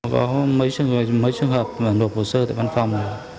có mấy trường hợp mà nộp hồ sơ tại văn phòng